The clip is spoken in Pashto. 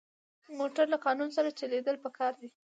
موټر له قانون سره چلېدل پکار دي.